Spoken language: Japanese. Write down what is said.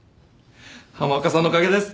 浜岡さんのおかげです。